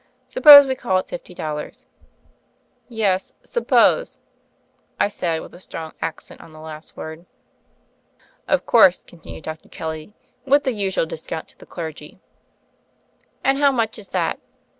Suppose we call it fifty dollars." "Yes: suppose, '' I said, with a strong accent on the last word. "Of course," continued Dr. Kelly, "with the usual discount to the clergy." "And how much is that?"